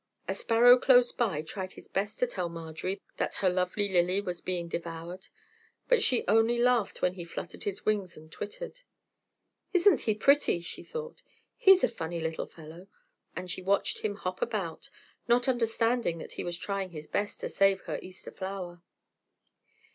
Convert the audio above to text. A sparrow close by tried his best to tell Marjorie that her lovely lily was being devoured, but she only laughed when he fluttered his wings and twittered. "Isn't he pretty?" she thought. "He's a funny little fellow," and she watched him hop about, not understanding that he was trying his best to save her Easter flower.